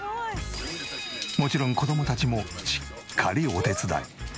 もちろん子供たちもしっかりお手伝い。